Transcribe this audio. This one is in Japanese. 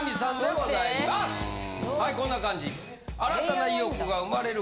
はいこんな感じ。